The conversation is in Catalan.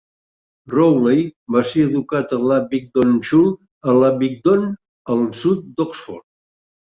Rowley va ser educat a l'Abingdon School, a Abingdon, al sud d'Oxford.